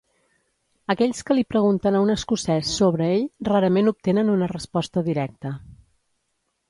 Aquells que li pregunten a un escocès sobre ell rarament obtenen una resposta directa.